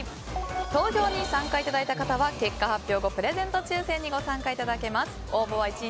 投票に参加いただいた方には結果発表後プレゼント抽選にご参加いただけます。